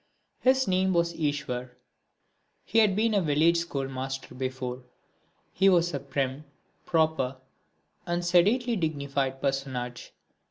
His name was Iswar. He had been a village schoolmaster before. He was a prim, proper and sedately dignified personage.